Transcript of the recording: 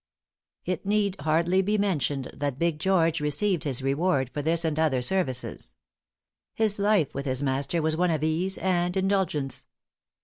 It need hardly be mentioned that "Big George" received his reward for this and other services. His life with his master was one of ease and indulgence.